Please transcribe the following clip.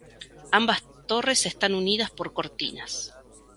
Ambas torres están unidas por cortinas.